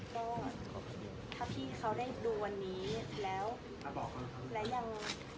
ก็ถ้าพี่เขาได้ดูวันนี้แล้วยัง